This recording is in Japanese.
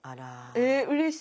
えうれしい。